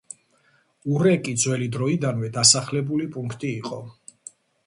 ურეკი ძველი დროიდანვე დასახლებული პუნქტი იყო.